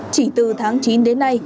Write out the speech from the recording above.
chỉ từ tháng chín đến nay